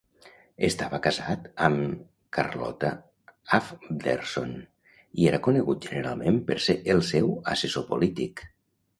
Estava casat amb Charlotta Arfwedson i era conegut generalment per ser el seu assessor polític.